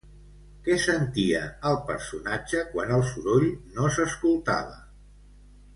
Què sentia el personatge quan el soroll no s'escoltava?